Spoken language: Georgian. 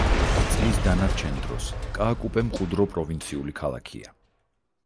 წლის დანარჩენ დროს, კააკუპე მყუდრო პროვინციული ქალაქია.